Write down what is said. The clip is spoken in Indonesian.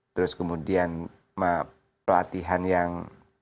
terus kemudian pelatihan yang